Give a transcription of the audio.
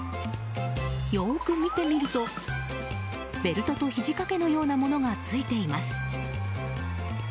よく見てみるとベルトとひじ掛けのようなものがついています。